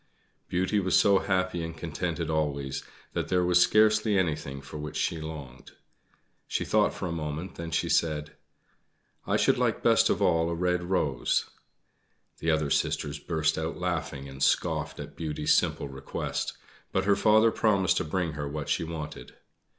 Beauty was so happy and contented always that there was scarcely anything for which she longed. She thought for a moment, then she said: "I should like best of all a red rose!" The other sisters burst out laughing and scoffed at Beauty's simple request; but her father promised to bring her what she wanted.